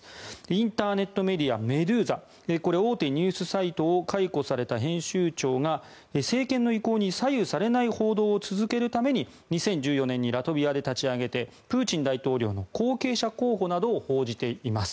インターネットメディアメドゥーザこれは大手ニュースサイトを解雇された編集長が政権の意向に左右されない報道を続けるために２０１４年にラトビアで立ち上げてプーチン大統領の後継者候補などを報じています。